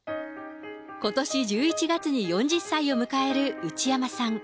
ことし１１月に４０歳を迎える内山さん。